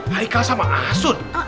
haikal sama asun